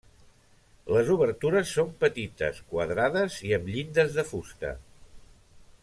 Les obertures són petites quadrades i amb llindes de fusta.